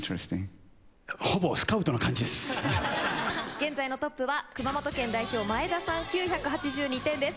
現在のトップは熊本県代表前田さん９８２点です。